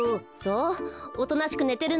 おとなしくねてるのよ。